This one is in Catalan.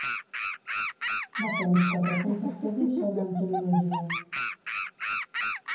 Va fer uns quatre-cents estudis sobre entomologia.